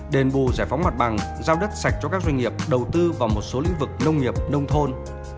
đền bù giải phóng mặt bằng giao đất sạch cho các doanh nghiệp đầu tư vào một số lĩnh vực nông nghiệp nông thôn